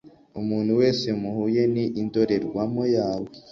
umuntu wese muhuye ni indorerwamo yawe